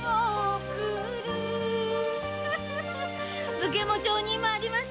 武家も町人もありません！